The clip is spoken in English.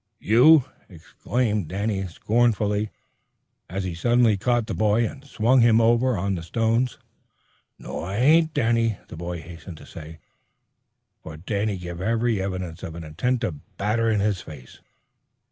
"You!" exclaimed Danny scornfully, as he suddenly caught the boy and swung him over on to the stones. "No, I ain't, Danny," the boy hastened to say, for Danny gave every evidence of an intent to batter in his face.